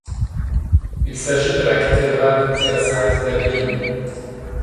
Il s'agit de la cathédrale du diocèse d'Avellino.